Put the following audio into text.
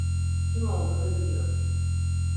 Kim olduğunu biliyor.